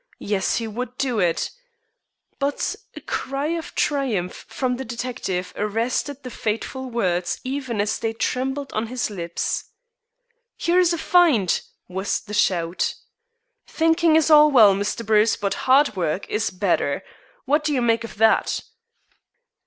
Yes, he would do it But a cry of triumph from the detective arrested the fateful words even as they trembled on his lips. "Here's a find!" was the shout. "Thinking is all very well, Mr. Bruce, but hard work is better. What do you make of that?"